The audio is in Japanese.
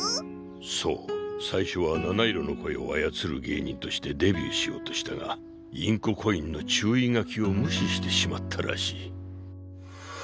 そう最初は七色の声をあやつる芸人としてデビューしようとしたがインココインの注意書きを無視してしまったらしい。